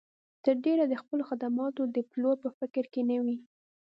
تر ډېره د خپلو خدماتو د پلور په فکر کې نه وي.